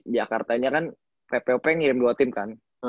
jakartanya kan ppop ngirim dua tim kan